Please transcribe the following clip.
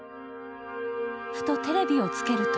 ふとテレビをつけると